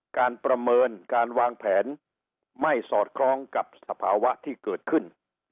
การประเมินการวางแผนไม่สอดคล้องกับสภาวะที่เกิดขึ้น